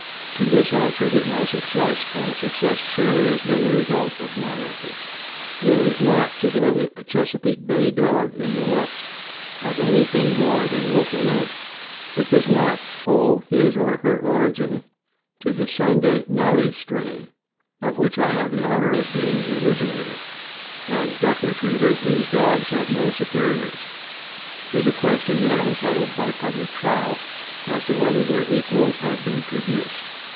To this I attribute my success, and success surely has been the result of my efforts. There is not to day a Chesapeake Bay Dog in the West, of anything more than local note, that does not owe his or her origin to the Sun day Nellie strain, of which I have the honor of being the originator. As duck retrievers, these dogs have no supe riors. It is a question yet unsettled by public trial as to whether their equals have been produced.